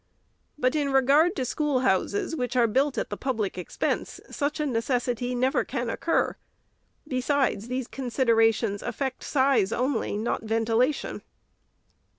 But in regard to schoolhouses ON SCHOOLHOUSES. 443 which are built at the public expense, such a necessity never can occur. Besides, these considerations affect size only, not ventilation.